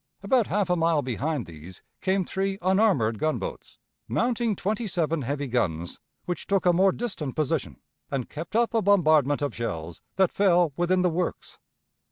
About half a mile behind these came three unarmored gunboats, mounting twenty seven heavy guns, which took a more distant position, and kept up a bombardment of shells that fell within the works.